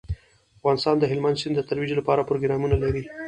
افغانستان د هلمند سیند د ترویج لپاره پروګرامونه لري.